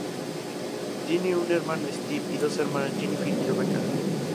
Tiene un hermano, Steve, y dos hermanas, Jennifer y Rebecca.